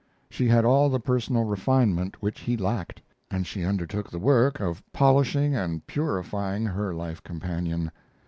She had all the personal refinement which he lacked, and she undertook the work of polishing and purifying her life companion.